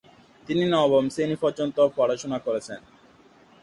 তিনি নবম শ্রেণি পর্যন্ত পড়াশোনা করেছেন।